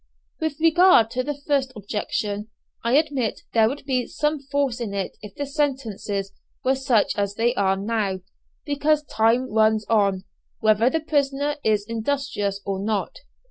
With regard to the first objection, I admit there would be some force in it if the sentences were such as they are now, because time runs on, whether the prisoner is industrious or not.